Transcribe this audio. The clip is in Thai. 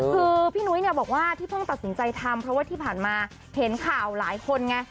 คือพี่นุ้ยเนี่ยบอกว่าที่เพิ่งตัดสินใจทำเพราะว่าที่ผ่านมาเห็นข่าวหลายคนไง